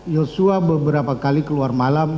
yosua beberapa kali keluar malam